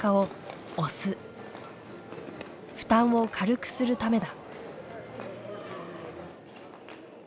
負担を軽くするためだ。